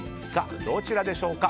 どちらでしょうか？